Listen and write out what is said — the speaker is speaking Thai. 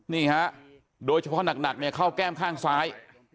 นี่ฮะโดยเฉพาะหนักเนี่ยเข้าแก้มข้างซ้าย